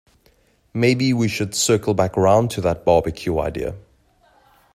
Maybe we should circle back round to that barbecue idea?